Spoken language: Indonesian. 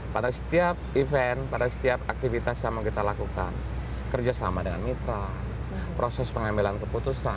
pada setiap event pada setiap aktivitas yang mau kita lakukan kerjasama dengan mitra proses pengambilan keputusan